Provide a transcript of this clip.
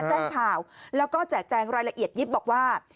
แจ้งข่าวแล้วก็แจกแจงรายละเอียดยิบบอกว่า